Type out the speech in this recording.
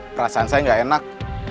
perasaan saya gak enak